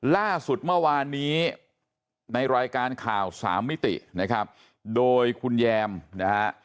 ล่าสุดเมื่อวานนี้ในรายการข่าวสามมิตินะครับโดยคุณแยมนะฮะ